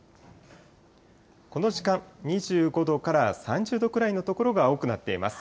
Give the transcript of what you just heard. この時間、２５度から３０度くらいの所が多くなっています。